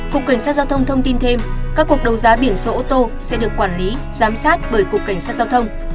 cục cảnh sát giao thông thông tin thêm các cuộc đấu giá biển số ô tô sẽ được quản lý giám sát bởi cục cảnh sát giao thông